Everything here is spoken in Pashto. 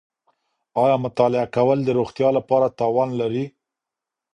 ایا مطالعه کول د روغتیا لپاره تاوان لري؟